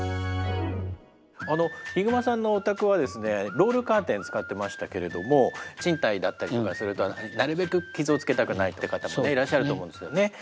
あのヒグマさんのお宅はですねロールカーテン使ってましたけれども賃貸だったりとかするとなるべく傷を付けたくないって方もねいらっしゃると思うんですよね。